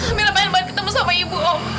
amira pengen banget ketemu sama ibu om